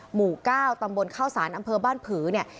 หมู่๙ตำบลเข้าสารอำเภอบ้านผือเนี่ย